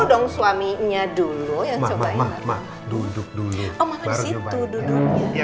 oh disitu duduknya